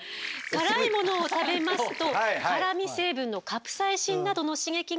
辛いものを食べますと辛み成分のカプサイシンなどの刺激が脳に伝わります。